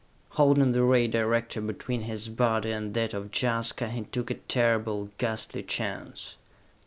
Holding the ray director between his body and that of Jaska, he took a terrible, ghastly chance.